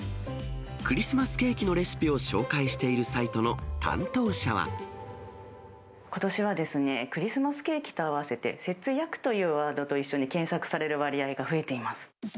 クリスマスケーキのレシピを紹介ことしはですね、クリスマスケーキと併せて、節約というワードと一緒に検索される割合が増えています。